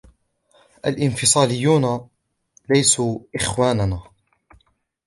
الانفصاليّون ليسوا إخواننا.